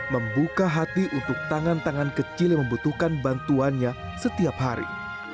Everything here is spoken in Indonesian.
membuka hati untuk tangan tangan kecil yang membutuhkan bantuannya setiap hari